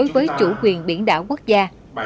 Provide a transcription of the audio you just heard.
với chủ quyền biển đảo quốc gia